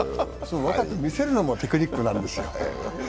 若くみせるのもテクニックなんですよ。